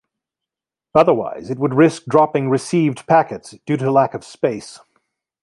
Otherwise it would risk dropping received packets due to lack of space.